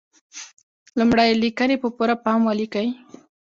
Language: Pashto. لمړی: لیکنې په پوره پام ولیکئ.